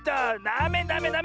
ダメダメダメ！